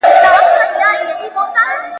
زه اجازه لرم چي مړۍ وخورم،